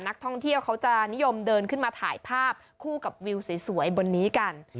นักท่องเที่ยวเขาจะนิยมเดินขึ้นมาถ่ายภาพคู่กับวิวสวยบนนี้กัน